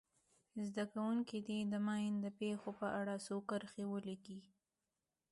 زده کوونکي دې د ماین د پېښو په اړه څو کرښې ولیکي.